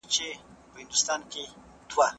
شاګرد به د لوړ ږغ سره پاڼه ړنګه نه کړي.